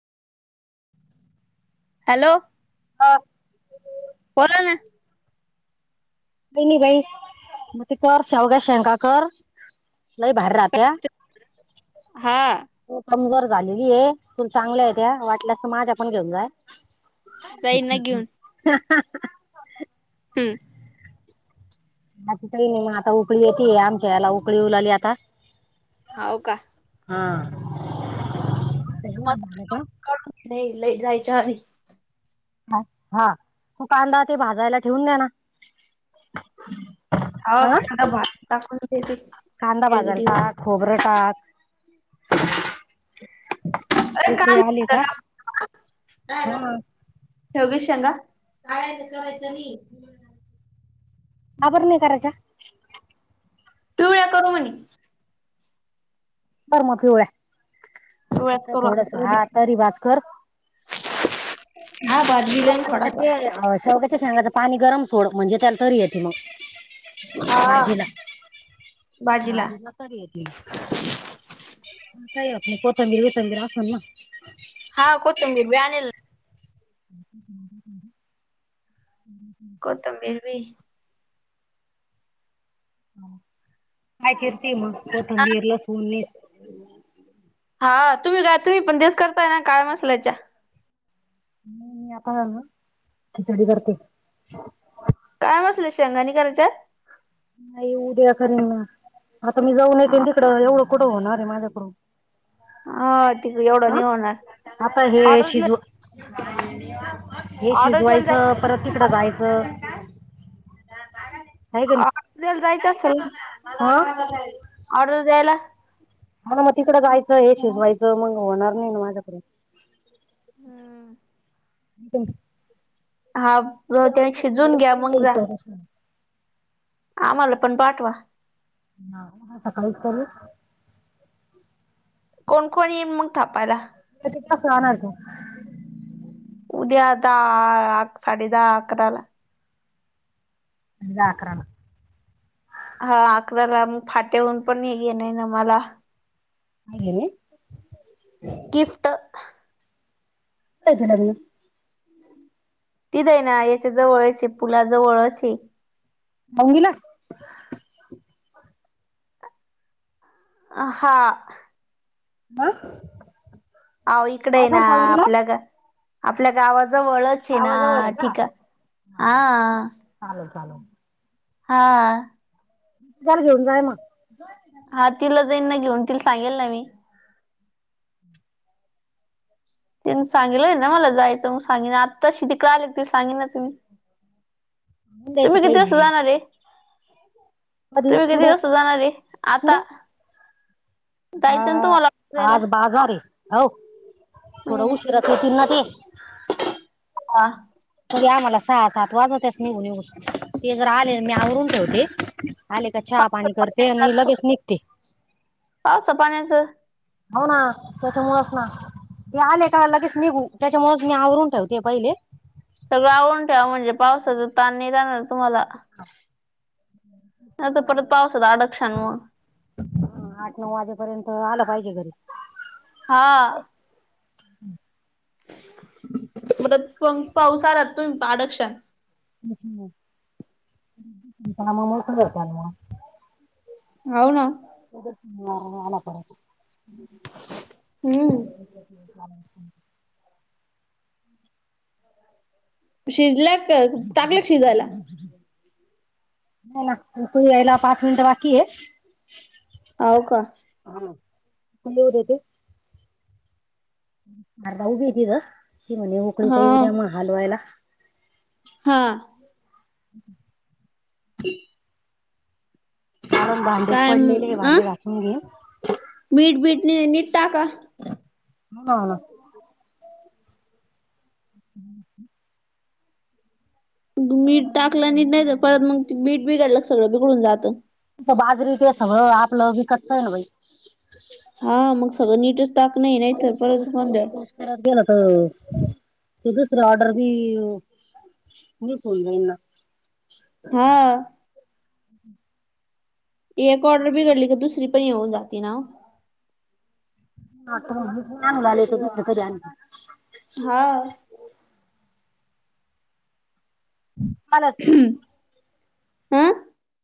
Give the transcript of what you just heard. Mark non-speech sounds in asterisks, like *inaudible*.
Hello. आ बोला ना. काई नाही बाई. मगं कर शेवग्या शेगा कर. लई भारी राहत्या. *inaudible* हा. तू कमजोर झालेलीये. तुला चांगलं आहे त्या, वाटल्यास माझ्या पण घेऊ जा. जाईन ना घेऊन *unintelligible* हम्म. बाकी काही नाही. मग आता उकळी येतेये, आमच्या याला उकळी येऊ लाली आता. हावका? हा. *inaudible* त्याच्या मुळे आता लई लई जायच्या आधी हा हा. तु कांदा ते भाजायला ठेवून द्या ना. *inaudible* हा कांदा भाजायला *unintelligible* टाक खोबरं टाक. *inaudible* अरे का उकळी आली का? शेवगी *inaudible* हं. शेवग्याच्या शेंगा. नाही ते करायचं नाही. का बर नाही करायच्या? पिवळ्या करू म्हणे. कर मग पिवळ्याच पिवळ्या. *inaudible* करू आज. थोडस हा तरी भात कर. हा *inaudible* भाजीला आता त्याच्यात थोडासा ते शेवग्याच्या शेंगा पाणी गरम सोड, म्हणजे त्याला तरी येते मग. हा भाजीला. *inaudible* भाजीला तरी येते मग. मग काही होत नाही, कोथंबीर विसरली असेल ना. *inaudible* हा कोथंबीर बी आणेल ना. *unintelligible* *inaudible* कोथंबीर बी *inaudible* काय करती मग हा कोथंबीर लसुण हा, तुम्ही काय तुम्ही पण तेच करताय ना काळा मसल्याच्या. नाही आता आलो खिचडी करते. काय बसलं शेंगा नाही करायच्या. नाही उद्या करीन ना आता मी जाऊन येत तिकडं एवढं कुठं होणार आहे माझ्याकडून. हा, त एवढं हा नि होणार आता हे ऑर्डर शिजव दिलं. हे ऑर्डर द्यायला जाय शिजवायचं. परत तिकड जायचं काय करू. त्याला जायचं असेल ऑर्डर द्यायला. ह ना, मग तिकडें जायचं हे शिजवायचं मग होणार नाही ना माझ्याकडे. हम्म. बर. हा, रोट्या शिजून घ्या मग जा. अच्छा! आम्हाला पण पाठवा. हा, उद्या सकाळीच करू कोण कोण येईन मग थापायला. त्याचे तक्रार हाय बघ. उद्याताहा आ साडे दहा अकराला. साडेदहा अकराला. हा, अकराला मग फाट्याहन पण हे घेन ना मला. नाही गेले. गिफ्ट. त्याचं लग्न. तिथे हे ना, तीच आहे ना याच्या जवळची पुला जवळची आहे. होंगला. आ हा, ''हं'' अहो इकडे ना आपल्या ग आपल्या गावाजवळ. ची ना गावाजवळ आहे का ठीक आ हा, चालेल चालेल. हा, उल घेन जा मग. दोनशे. हा, तिला जाईन ना घेऊन तिला सांगेल ना मी. त्यांन सांगितलंय ना मला जायचं मग सांगिन आत्ताशी तिकडे आले त सांगिनच मी. आणून द्यायचं तुम्ही किती वाजता पहिलेच जाणार रे. कधी तुम्ही किती कुठं वाजता जाणारे आता. हा, जायचं ना तुम्हाला द्यायला आज बाजार आहे हो हम्म थोडं उशिराच येथील ना ते. हा, तरी आ मला सात वाज निघून येऊ ते जर आले मी आवरून ठेवते. आले का चहा पावसा पाणी करते आणि पाण्याचं लगेच निघते. पावसा पाण्याचं. हो ना, त्याच्यामुळेळच ना. ते आले का लगेच त्याच्यामुळे मी आवरून ठेवते पहिले. सगळं आवळून ठेवा म्हणजे पावसाचं ताणणी राहणार तुम्हाला. हा. नाही तर परत पावसात अडकशान मग *inaudible* हा आठ नऊ वाजेपर्यंत आलं पाहिजे घरी. हा. मधेच पण पाऊस आला तर अडकशाल. *unintelligible* हाव नां. *unintelligible* हम्म. *unintelligible* शिजल्यात का, टाकलेत शिजायला? नाही ना, ती यायला पाच मिनटं बाकी आहे. हाव का? *inaudible* लिहू देते? आता उभी हाय ती गं. ती म्हणे उकळी तर हा येऊ द्या मग हलवायला हा. हा, मग काय म पडलेले आ भांडे घासून घे. मीठ बीट नी नीट टाका. हा. *inaudible* मीठ टाकलं नीट, नाही तर परत मग बीठ बिघडलं सगळं बिघडून जातं. तं बाजरीचंच हवं, आपलं विकतचं हा ना बाई. हा मग सगळं नीटच टाक नाही, नाही तर पळस पळस परत गोंधळ *unintelligible* विकून जाईन नां. हा. एक ऑर्डर बिघडली, की दुसरी पण हे होऊन जाती ना ओ? *unintelligible* हां. मल्यात अं?